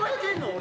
俺。